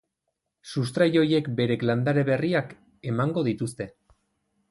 Sustrai horiek berek landare berriak emango dituzte.